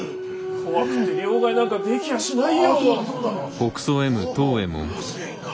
怖くて両替なんかできやしないよ！